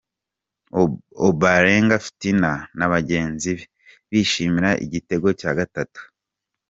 Ombolenga Fitina na bagenzi be bishimira igitego cya gatatu.